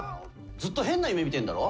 ずっと変な夢見てんだろ。